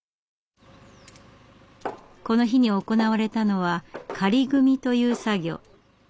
この日に行われたのは「仮組み」という作業。